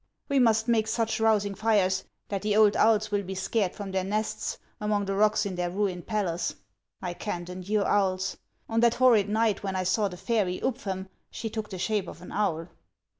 " We must make such rousing tires that the old owls will be scared from their nests among the rocks in their ruined palace. I can't endure owls. On that horrid night when I saw the fairy Ubfem she took the shape of an owl."